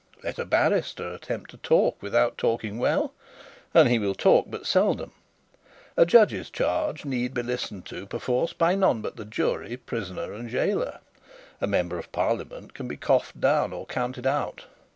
Let a barrister attempt to talk without talking well, and he will talk but seldom. A judge's charge need be listened to per force by none but the jury, prisoner, and gaoler. A member of parliament can be coughed down or counted out.